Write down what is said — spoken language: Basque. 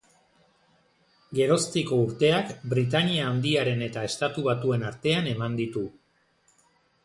Geroztiko urteak Britainia Handiaren eta Estatu Batuen artean eman ditu.